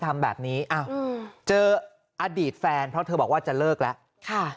ทำแบบนี้อ้าวเจออดีตแฟนเพราะเธอบอกว่าจะเลิกแล้วค่ะ